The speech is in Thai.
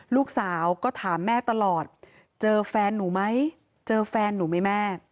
ลูกสาวก็ถามแม่ตลอดเจอแฟนหนูไหมแม่